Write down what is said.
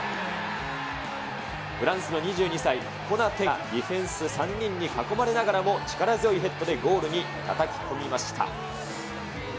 フランスの２２歳、コナテが、ディフェンス３人に囲まれながらも力強いヘッドでゴールにたたき込みました。